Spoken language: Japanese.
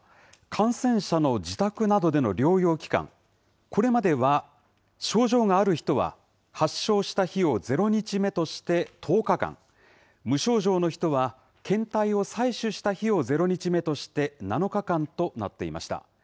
感染者の自宅などでの療養期間、これまでは症状がある人は、発症した日を０日目として１０日間、無症状の人は、検体を採取した日を０日目として７日間となっていました。